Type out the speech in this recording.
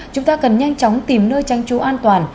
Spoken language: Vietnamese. chúng ta cần nhanh chóng tìm nơi tranh trú an toàn